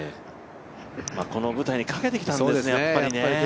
この舞台にかけてきたんですね、きっと。